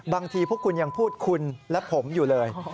บางทีพวกคุณยังพูดคุณและผมอยู่เลย